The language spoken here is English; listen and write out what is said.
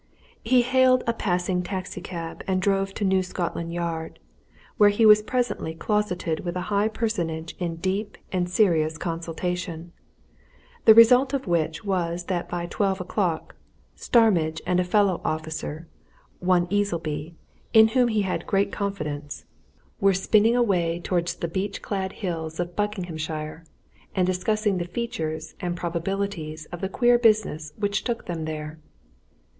He hailed a passing taxi cab and drove to New Scotland Yard, where he was presently closeted with a high personage in deep and serious consultation, the result of which was that by twelve o'clock, Starmidge and a fellow officer, one Easleby, in whom he had great confidence, were spinning away towards the beech clad hills of Buckinghamshire, and discussing the features and probabilities of the queer business which took them there.